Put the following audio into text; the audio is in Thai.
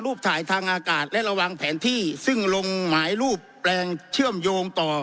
ถ่ายทางอากาศและระวังแผนที่ซึ่งลงหมายรูปแปลงเชื่อมโยงต่อ